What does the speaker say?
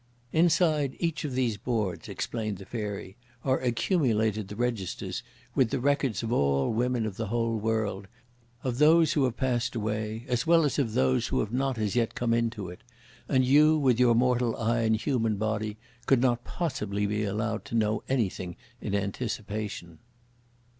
"Inside each of these Boards," explained the Fairy, "are accumulated the registers with the records of all women of the whole world; of those who have passed away, as well as of those who have not as yet come into it, and you, with your mortal eyes and human body, could not possibly be allowed to know anything in anticipation."